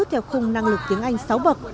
theo khung năng lực tiếng anh sáu bậc